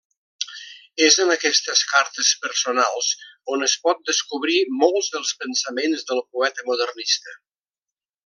És en aquestes cartes personals on es pot descobrir molts dels pensaments del poeta modernista.